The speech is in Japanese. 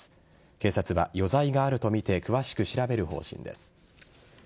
警察は余罪があるとみて詳しく調べる方針です。